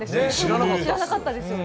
知らなかったです。